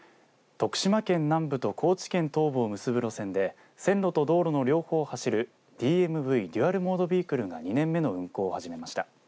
徳島県南部と高知県東部を結ぶ路線で線路と道路の両方を走るＤＭＶデュアル・モード・ビークルが２年目の運行を始めました。